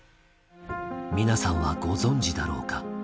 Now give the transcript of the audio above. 皆さんはご存じだろうか？